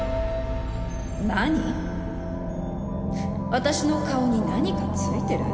私の顔に何かついてる？